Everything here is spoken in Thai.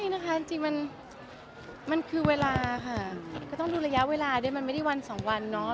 นะคะจริงมันคือเวลาค่ะก็ต้องดูระยะเวลาด้วยมันไม่ได้วันสองวันเนาะ